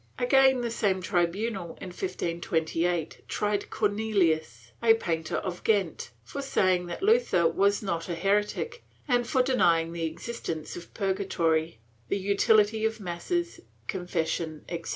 * Again the same tribunal, in 1528, tried Cornells, a painter of Ghent, for saying that Luther was not a heretic and for denying the existence of purgatory, the utility of masses, confession etc.